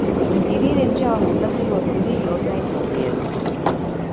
திடீரென்று அவள் உள்ளத்தில் ஒரு புதிய யோசனை தோன்றியது.